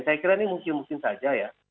saya kira ini mungkin mungkin saja ya